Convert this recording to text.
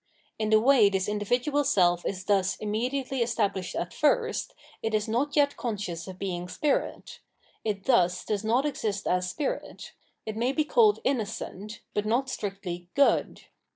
In the way this individual seH is thus immediately established at first, it is not yet conscious of being Spirit ; it thus does not exist as Spirit ; it may be called "innocent," but not strictly "good."